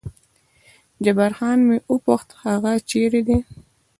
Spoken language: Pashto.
جبار خان مې وپوښت هغه چېرې دی؟